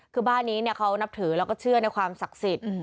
คือบ้านนี้เขานับถือแล้วก็เชื่อในความศักดิ์สิทธิ์